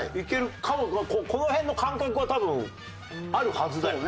この辺の感覚は多分あるはずだよね？